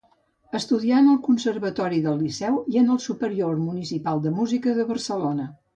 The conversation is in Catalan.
Estudià en el Conservatori del Liceu i en Superior de Municipal de Música de Barcelona.